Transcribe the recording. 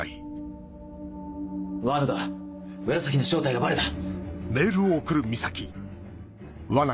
罠だ紫の正体がバレた。